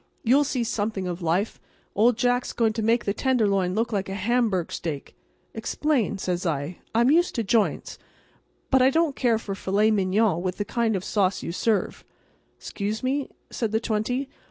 You'll see something of life. Old Jack's going to make the Tenderloin look like a hamburg steak." "Explain," says I. "I'm used to joints, but I don't care for filet mignon with the kind of sauce you serve." "'Xcuse me," said the twenty.